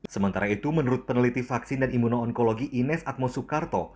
sementara itu menurut peneliti vaksin dan imuno onkologi ines atmo soekarto